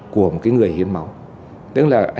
của một người hiến máu tức là